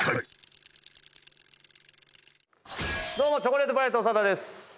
どうもチョコレートプラネット長田です。